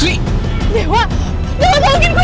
lan lan lan lan